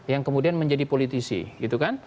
yang kemudian menjadi politisi